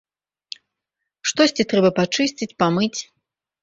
Штосьці трэба пачысціць, памыць.